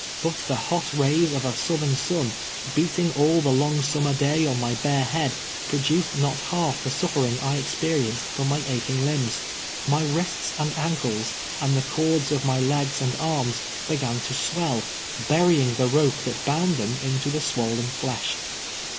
But the hot rays of a southern sun, beating all the long summer day on my bare head, produced not half the suffer ing I experienced from my aching limbs. My wrists and ankles, and the cords of my legs and arms began to swell, burying the rope that bound them into the swollen flesh.